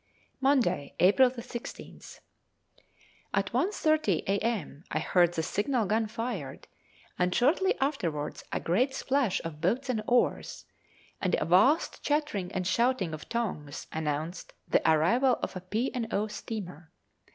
Monday, April 16th. At 1.30 a.m. I heard the signal gun fired, and shortly afterwards a great splash of boats and oars, and a vast chattering and shouting of tongues announced the arrival of a P. and O. steamer.